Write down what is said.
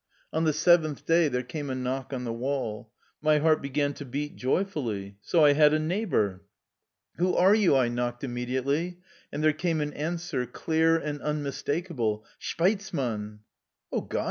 On the seventh day there came a knock on the wall. My heart began to beat joyfully : so I had a neighbor! " Who are you? " I knocked immediately, and there came an answer, clear and unmistakable, " Shpeizman.'' " О God